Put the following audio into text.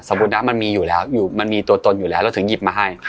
นะมันมีอยู่แล้วมันมีตัวตนอยู่แล้วเราถึงหยิบมาให้